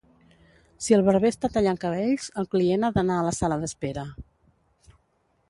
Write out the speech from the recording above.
Si el barber està tallant cabells, el client ha d'anar a la sala d'espera.